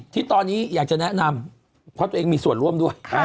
ที่ตอนนี้อยากจะแนะนำเพราะตัวเองมีส่วนร่วมด้วย